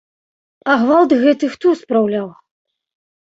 А гвалт гэты хто спраўляў?